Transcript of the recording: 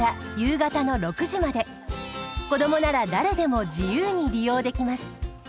子どもなら誰でも自由に利用できます。